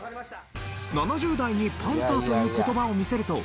７０代に「パンサー」という言葉を見せると。